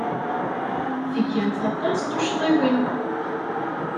Tgamt aṭas n tuccḍiwin.